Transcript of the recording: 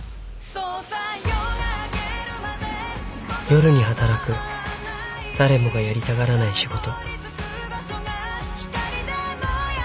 ［夜に働く誰もがやりたがらない仕事］